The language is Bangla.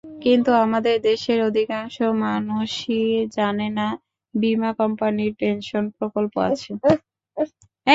কিন্তু আমাদের দেশের অধিকাংশ মানুষই জানে না, বিমা কোম্পানির পেনশন প্রকল্প আছে।